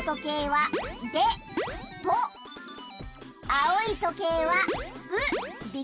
あおいとけいは「う」「！」。